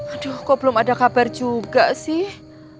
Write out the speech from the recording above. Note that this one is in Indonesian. aduh kok belum ada kabar juga sih